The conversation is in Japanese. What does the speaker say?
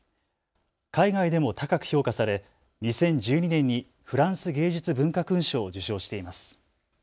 海外でも高く評価され２０１２年にフランス芸術文化勲章を受章しています。